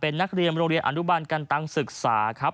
นักเรียนบริโรงเรียนอันดุบันกันตังศึกษา